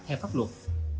theo pháp luật